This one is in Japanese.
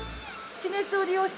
地熱を利用して。